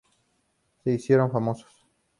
Se hicieron famosos.